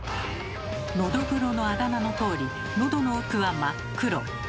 「ノドグロ」のあだ名のとおりのどの奥は真っ黒。